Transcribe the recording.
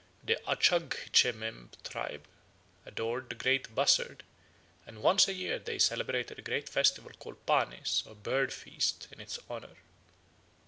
The Acagchemem tribe adored the great buzzard, and once a year they celebrated a great festival called Panes or bird feast in its honour.